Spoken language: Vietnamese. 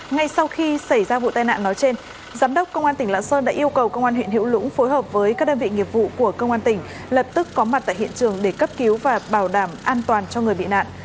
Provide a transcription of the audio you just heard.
ngay sau khi xảy ra vụ tai nạn nói trên giám đốc công an tỉnh lạng sơn đã yêu cầu công an huyện hiểu lũng phối hợp với các đơn vị nghiệp vụ của công an tỉnh lập tức có mặt tại hiện trường để cấp cứu và bảo đảm an toàn cho người bị nạn